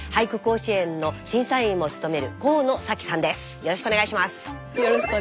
よろしくお願いします。